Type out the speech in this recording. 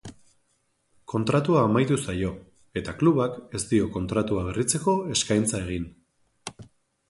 Kontratua amaitu zaio, eta klubak ez dio kontratua berritzeko eskaintza egin.